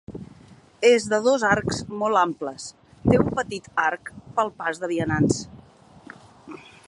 És de dos arcs molt amples, té un petit arc pel pas de vianants.